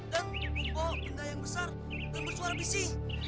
dan bupo benda yang besar dan bersuara bisi